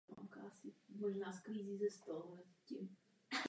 Bez nadsázky lze hovořit o otrocích silnic.